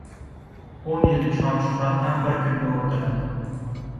o‘n yillik shon-shuhrat ham bir kunda unutiladi.